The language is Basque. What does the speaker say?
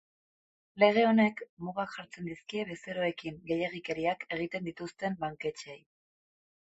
Lege honek, mugak jartzen dizkie bezeroekin gehiegikeriak egiten dituzten banketxeei.